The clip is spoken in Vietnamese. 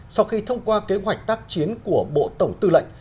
sau khi thông qua kế hoạch tác chiến của bộ tổng tư lệnh